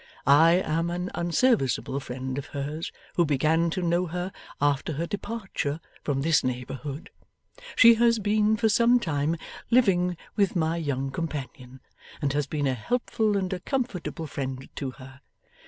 I am an unserviceable friend of hers, who began to know her after her departure from this neighbourhood. She has been for some time living with my young companion, and has been a helpful and a comfortable friend to her.